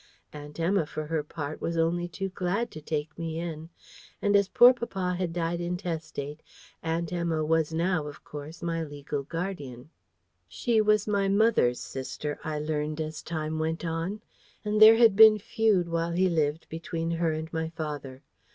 Aunt Emma, for her part, was only too glad to take me in: and as poor papa had died intestate, Aunt Emma was now, of course, my legal guardian. She was my mother's sister, I learned as time went on; and there had been feud while he lived between her and my father.